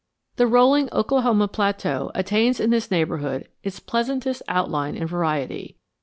The rolling Oklahoma plateau attains in this neighborhood its pleasantest outline and variety.